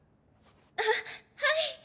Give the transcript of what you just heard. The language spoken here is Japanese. あっはい！